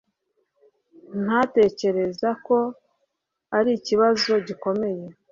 ntatekereza ko arikibazo gikomeye